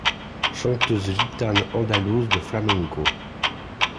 Chanteuse gitane andalouse de Flamenco.